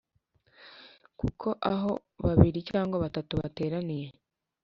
Kuko aho babiri cyangwa batatu bateraniye